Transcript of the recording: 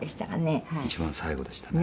谷村：一番最後でしたね。